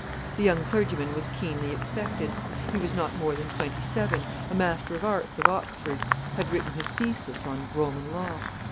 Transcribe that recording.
The young clergyman was keenly expected. He was not more than twenty seven, a Master of Arts of Oxford, had written his thesis on Roman Law.